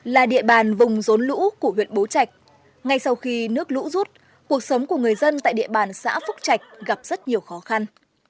là địa bàn vùng rốn lũ của huyện bố trạch ngay sau khi nước lũ rút cuộc sống của người dân tại địa bàn xã phúc trạch gặp rất nhiều khó khăn